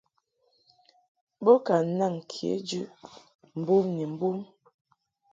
Bo ka naŋ kejɨ mbom ni mbom.